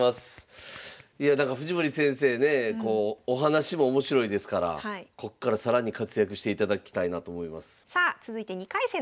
いやだから藤森先生ねお話も面白いですからこっから更に活躍していただきたいなと思います。